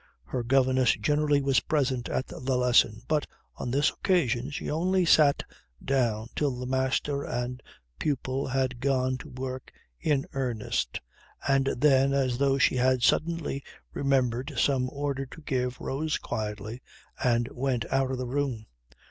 Her governess generally was present at the lesson; but on this occasion she only sat down till the master and pupil had gone to work in earnest, and then as though she had suddenly remembered some order to give, rose quietly and went out of the room.